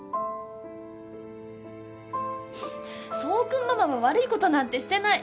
爽君ママは悪いことなんてしてない。